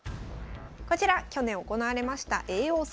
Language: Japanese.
こちら去年行われました叡王戦。